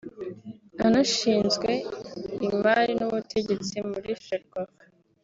anashinzwe Imari n’Ubutegetsi muri Ferwafa